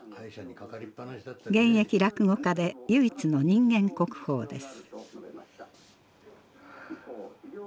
現役落語家で唯一の人間国宝です。